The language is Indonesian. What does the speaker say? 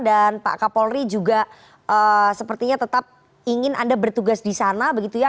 dan pak kapolri juga sepertinya tetap ingin anda bertugas disana begitu ya